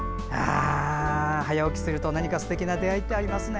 早起きすると、何かすてきな出会いってありますね。